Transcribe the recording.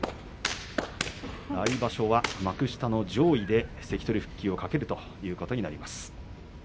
来場所は幕下の上位で関取復帰を懸けるということになります。